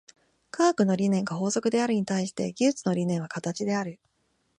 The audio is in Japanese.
科学の理念が法則であるに対して、技術の理念は形である。